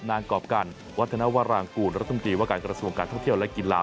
นางกรอบการวัฒนวรรณกูลรัฐศึงตรีวะการกระทรวงการท่าเที่ยวและกีฬา